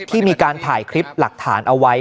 ที่มีการถ่ายคลิปหลักฐานเอาไว้